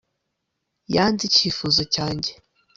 yanze icyifuzo cyanjye